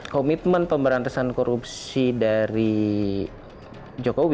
komitmen pemberantasan korupsi dari jokowi